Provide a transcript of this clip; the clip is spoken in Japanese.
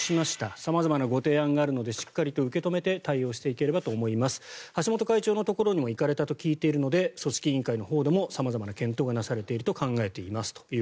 様々なご提案があるのでしっかりと受け止めて対応していければと思います橋本会長のところにも行かれたと聞いているので組織委員会のほうでも様々な検討がされていると考えています。